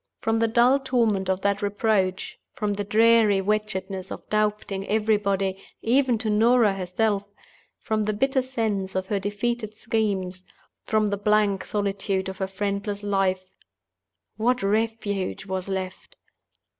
From the dull torment of that reproach; from the dreary wretchedness of doubting everybody, even to Norah herself; from the bitter sense of her defeated schemes; from the blank solitude of her friendless life—what refuge was left?